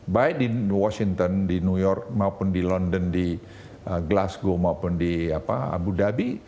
baik di washington di new york maupun di london di glasgow maupun di abu dhabi